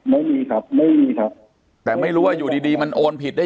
ไม่มีครับไม่มีครับแต่ไม่รู้ว่าอยู่ดีดีมันโอนผิดได้